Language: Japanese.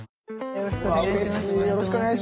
よろしくお願いします。